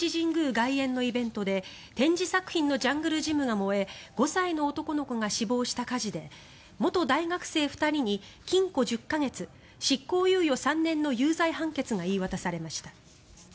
外苑のイベントで展示作品のジャングルジムが燃え５歳の男の子が死亡した事故で元大学生２人に禁錮１０か月執行猶予３年の有罪判決が言い渡されました。